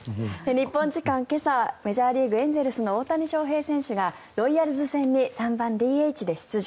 日本時間今朝メジャーリーグ、エンゼルスの大谷翔平選手がロイヤルズ戦に３番ＤＨで出場。